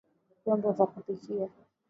Vyombo vya kupikia